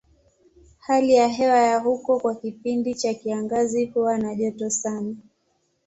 Hali ya hewa ya huko kwa kipindi cha kiangazi huwa na joto sana.